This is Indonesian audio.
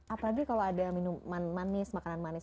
apalagi kalau ada minuman manis makanan manis